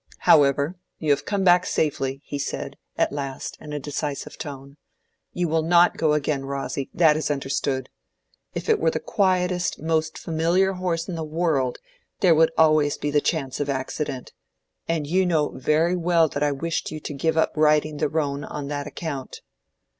"However, you have come back safely," he said, at last, in a decisive tone. "You will not go again, Rosy; that is understood. If it were the quietest, most familiar horse in the world, there would always be the chance of accident. And you know very well that I wished you to give up riding the roan on that account."